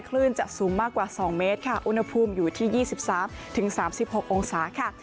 คลื่นจะสูงมากกว่าสองเมตรค่ะอุณหภูมิอยู่ที่ยี่สิบสามถึงสามสิบหกองศาค่ะ